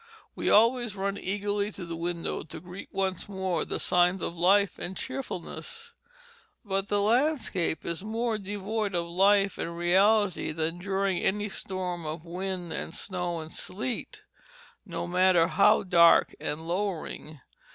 We always run eagerly to the window to greet once more the signs of life and cheerfulness; but the landscape is more devoid of life and reality than during any storm of wind and snow and sleet, no matter how dark and lowering.